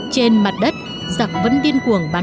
trên mặt đất giặc vấn điên cuồng bắn